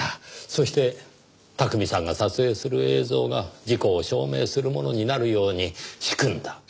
そして巧さんが撮影する映像が事故を証明するものになるように仕組んだ。